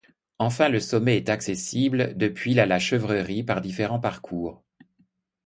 Enfin le sommet est accessible depuis la La Chèvrerie par différents parcours.